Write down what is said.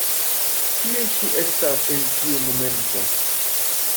Kie ŝi estas en tiu momento?